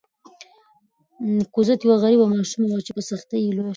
کوزت یوه غریبه ماشومه وه چې په سختۍ کې لویه شوه.